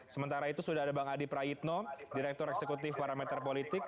sementara itu sudah ada bang adi prayitno direktur eksekutif parameter politik